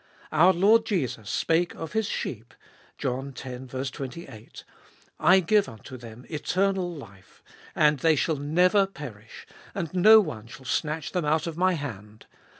Our Lord Jesus spake of His sheep (John x. 28) : "I give unto them eternal life ; and they shall never perish, and no one shall snatch them out of my hand.